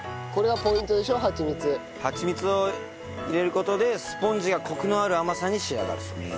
はちみつを入れる事でスポンジがコクのある甘さに仕上がるそうです。